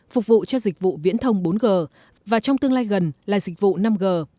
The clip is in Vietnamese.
phục vụ cho dịch vụ viễn thông bốn g và trong tương lai gần là dịch vụ năm g